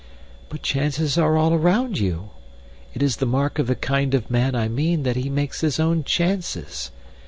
"But chances are all around you. It is the mark of the kind of man I mean that he makes his own chances.